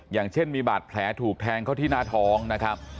อย่างเช่นมีบาดแผลถูกแทงเข้าที่หน้าท้องนะครับ